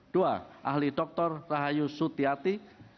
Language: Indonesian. dua ahli doktor rahayu sutiyati